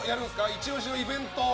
イチ押しのイベントは？